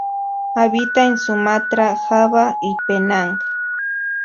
Habita en Sumatra, Java y Penang.